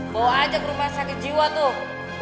bawa aja ke rumah sakit jiwa tuh